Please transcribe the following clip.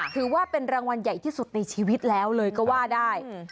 ถือว่าเป็นรางวัลใหญ่ที่สุดในชีวิตแล้วเลยก็ว่าได้